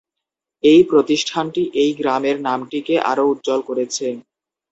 এই প্রতিষ্ঠানটি এই গ্রামের নামটি কে আরো উজ্জ্বল করেছে।